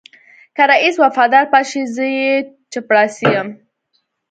که رئيس وفادار پاتې شي زه يې چپړاسی یم.